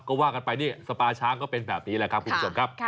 ก็ว่ากันไปนี่สปาช้างก็เป็นแบบนี้แหละครับคุณผู้ชมครับ